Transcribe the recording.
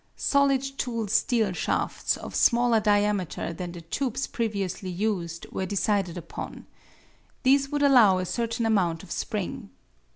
Solid tool steel shafts of smaller diameter than the tubes previously used were decided upon. These would allow a certain amount of spring.